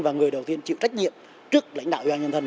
và người đầu tiên chịu trách nhiệm trước lãnh đạo uan nhân thần